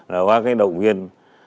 là qua cái động viên